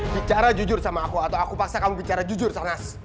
bicara jujur sama aku atau aku paksa kamu bicara jujur sanas